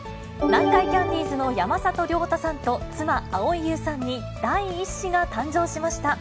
南海キャンディーズの山里亮太さんと、妻、蒼井優さんに第１子が誕生しました。